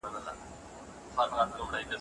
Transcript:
عاشقان او عارفان وو ستا یادونه